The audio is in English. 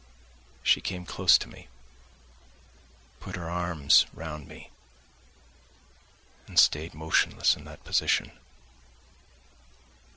She came close to me, put her arms round me and stayed motionless in that position.